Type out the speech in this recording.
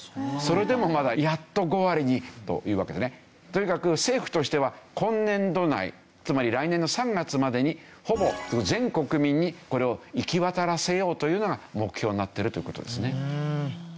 とにかく政府としては今年度内つまり来年の３月までにほぼ全国民にこれを行き渡らせようというのが目標になってるという事ですね。